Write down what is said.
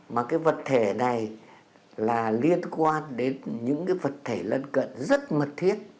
mà cái vật thể này là liên quan đến những cái vật thể lân cận rất mật thiết